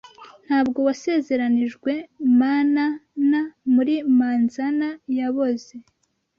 Ntabwo wasezeranijwe manana muri manzana yaboze